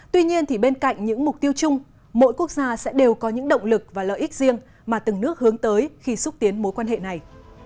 tuy nhiên bên cạnh những mục tiêu chung mỗi quốc gia sẽ đều có những động lực và lợi ích riêng mà từng nước hướng tới khi xúc tiến mối quan hệ này